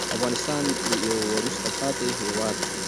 افغانستان يو وروسته پاتې هېواد دې